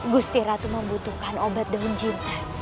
gusti ratu membutuhkan obat daun jin